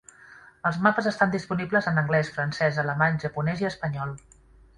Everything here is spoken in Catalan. Els mapes estan disponibles en anglès, francès, alemany, japonès i espanyol.